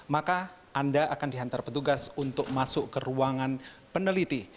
maka anda akan dihantar petugas untuk masuk ke ruangan peneliti